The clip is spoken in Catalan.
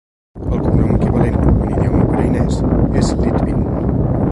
El cognom equivalent en idioma ucraïnès és Lytvyn.